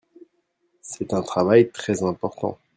C'est un travail très important.